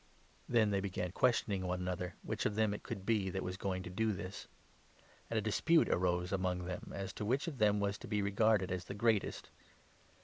" Then they began questioning one another which of them it 23 could be that was going to do this. The Dignity And a dispute arose among them as to which 24 of service, of them was to be regarded as the greatest.